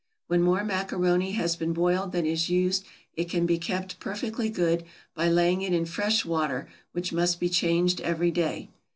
When more macaroni has been boiled than is used it can be kept perfectly good by laying it in fresh water, which must be changed every day.